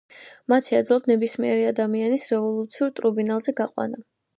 მათ შეეძლოთ ნებისმიერი ადამიანის რევოლუციურ ტრიბუნალზე გაყვანა.